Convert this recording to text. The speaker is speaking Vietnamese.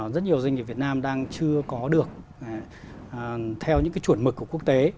rất nhiều doanh nghiệp việt nam đang chưa có được theo những cái chuẩn mực của quốc tế